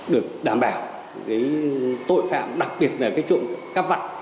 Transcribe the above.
được đảm bảo cái tội phạm đặc biệt là cái trộm cắp vặt